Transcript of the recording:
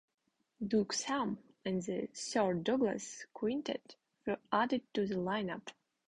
Doug Sahm and the Sir Douglas Quintet were added to the lineup.